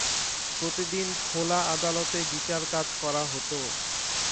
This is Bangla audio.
প্রতিদিন খোলা আদালতে বিচার কাজ করা হত।